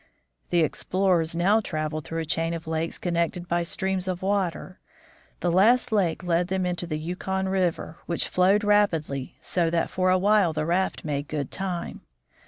The explorers now traveled through a chain of lakes connected by streams of water. The last lake led them into the Yukon river, which flowed rapidly, so that for a while the raft made good time.